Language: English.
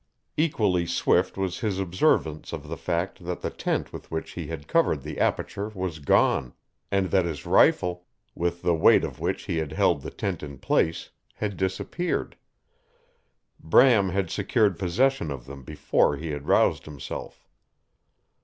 Equally swift was his observance of the fact that the tent with which he had covered the aperture was gone, and that his rifle, with the weight of which he had held the tent in place, had disappeared. Bram had secured possession of them before he had roused himself.